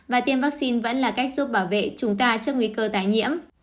và tiêm vaccine vẫn là cách giúp bảo vệ chúng ta trước nguy cơ tái nhiễm